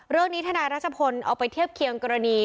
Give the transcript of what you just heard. เรื่องนี้ธนารัชพลเอาไปเทียบเคียงกรณี